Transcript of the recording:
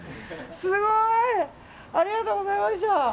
すごい。ありがとうございました。